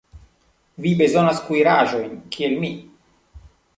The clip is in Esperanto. Vi ne bezonas kuiraĵojn, kiel mi.